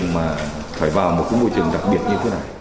mà phải vào một cái môi trường đặc biệt như thế này